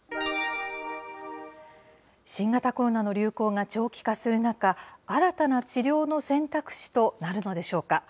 新型コロナの流行が長期化する中、新たな治療の選択肢となるのでしょうか。